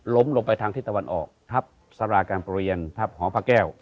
ลงไปทางที่ตะวันออกทับสาราการประเรียนทัพหอพระแก้ว